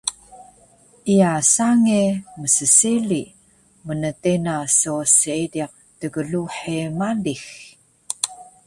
Iya sange msseli, mntena so seediq tgluhe malix